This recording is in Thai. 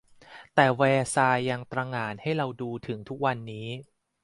แต่แวร์ซายน์ยังตั้งตระหง่านให้เราดูถึงทุกวันนี้